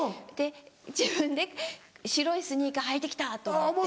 自分で白いスニーカー履いて来たと思って。